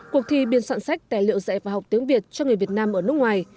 cuộc thi biên soạn sách tài liệu dạy và học tiếng việt cho người việt nam ở nước ngoài